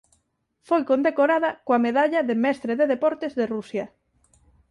Foi condecorada coa Medalla de Mestre de Deportes de Rusia.